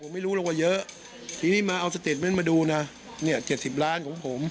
ไม่ได้ถึง๕ล้านหรอก